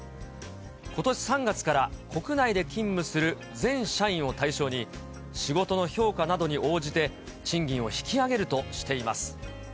ことし３月から国内で勤務する全社員を対象に、仕事の評価などに応じて、賃金を引き上げるとしています。